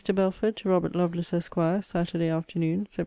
BELFORD, TO ROBERT LOVELACE, ESQ. SAT. AFTERNOON, SEPT.